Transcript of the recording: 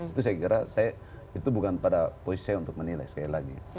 itu saya kira saya itu bukan pada posisi saya untuk menilai sekali lagi